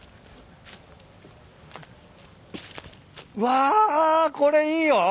わこれいいよ。